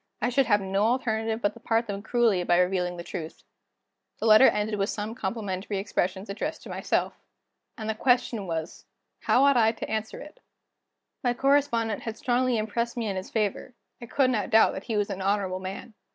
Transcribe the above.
I should have no alternative but to part them cruelly by revealing the truth." The letter ended with some complimentary expressions addressed to myself. And the question was: how ought I to answer it? My correspondent had strongly impressed me in his favor; I could not doubt that he was an honorable man.